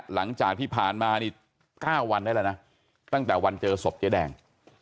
หลังจากที่ผ่านมานี่๙วันได้แล้วนะตั้งแต่วันเจอศพเจ๊แดง